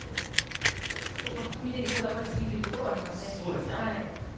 組み手にこだわりすぎているところがありますね。